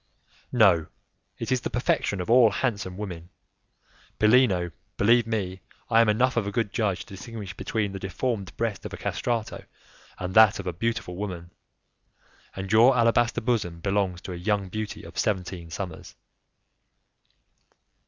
"No, it is the perfection of all handsome women. Bellino, believe me, I am enough of a good judge to distinguish between the deformed breast of a castrato, and that of a beautiful woman; and your alabaster bosom belongs to a young beauty of seventeen summers."